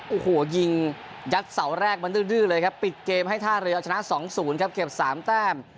โอ้โหยิงยัดเสาแรกมันดื้อเลยครับปิดเกมให้ท่าเรือเอาชนะ๒๐ครับเก็บ๓แต้ม